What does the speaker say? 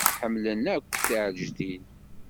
Ḥemmlen akk tiɛleǧtin.